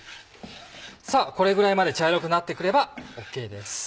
さぁこれぐらいまで茶色くなって来ればＯＫです。